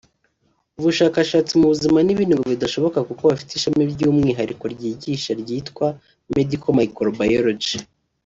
ubushakashatsi mu buzima n’ibindi ngo bidashoboka kuko bafite ishami ry’umwihariko ribyigisha ryitwa Medical Microbiology